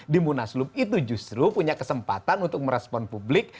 dimunaslub itu justru punya kesempatan untuk merespon publik